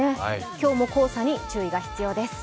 今日も黄砂に注意が必要です。